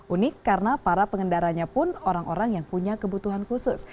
unik karena para pengendaranya pun orang orang yang punya kebutuhan khusus